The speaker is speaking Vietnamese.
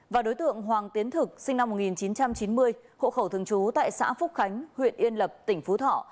và đối tượng hoàng tiến thực sinh năm một nghìn chín trăm chín mươi hộ khẩu thường trú tại xã phúc khánh huyện yên lập tỉnh phú thọ